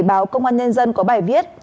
báo công an nhân dân có bài viết